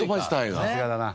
さすがだな。